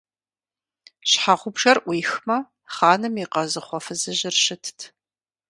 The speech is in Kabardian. Щхьэгъубжэр Ӏуихмэ, хъаным и къазыхъуэ фызыжьыр щытт.